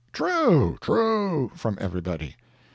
"True! true!" from everybody.